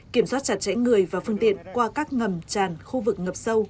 kiểm soát chặt chẽ người và phương tiện qua các ngầm tràn khu vực ngập sâu